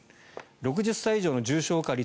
６０歳以上の重症化率